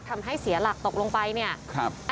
ทำให้เสียหลักตกลงไปอันนี้ครับ